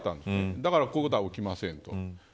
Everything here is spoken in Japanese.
だからこういうことは起きませんと。